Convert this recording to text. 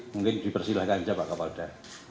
mungkin dipersilahkan saja pak kapolda